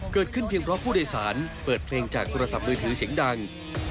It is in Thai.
เพียงเพราะผู้โดยสารเปิดเพลงจากโทรศัพท์มือถือเสียงดัง